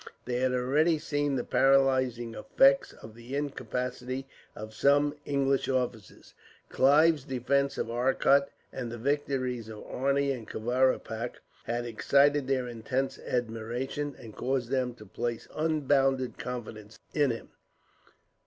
They had already seen the paralysing effects of the incapacity of some English officers. Clive's defence of Arcot, and the victories of Arni and Kavaripak, had excited their intense admiration, and caused them to place unbounded confidence in him.